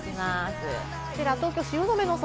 こちら東京・汐留の空。